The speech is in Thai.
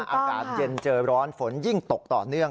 อากาศเย็นเจอร้อนฝนยิ่งตกต่อเนื่อง